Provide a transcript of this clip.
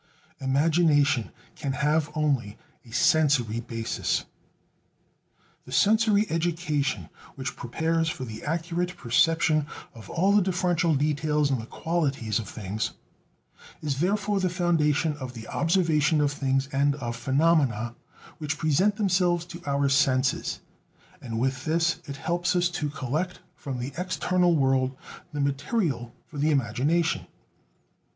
Imagination can have only a sensory basis. The sensory education which prepares for the accurate perception of all the differential details in the qualities of things, is therefore the foundation of the observation of things and of phenomena which present themselves to our senses; and with this it helps us to collect from the external world the material for the imagination.